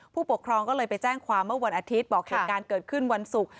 ผู้ปกครองก็เลยไปแจ้งความเมื่อวันอาทิตย์บอกเหตุการณ์เกิดขึ้นวันศุกร์